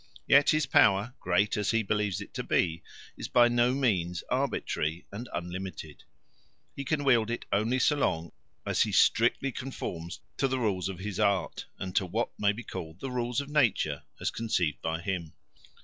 Yet his power, great as he believes it to be, is by no means arbitrary and unlimited. He can wield it only so long as he strictly conforms to the rules of his art, or to what may be called the laws of nature as conceived by him.